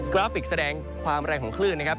ราฟิกแสดงความแรงของคลื่นนะครับ